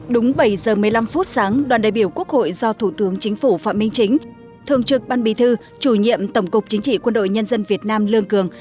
đúng bảy giờ một mươi năm phút sáng đoàn đại biểu quốc hội do thủ tướng chính phủ phạm minh chính thường trực ban bì thư chủ nhiệm tổng cục chính trị quân đội nhân dân việt nam lương cường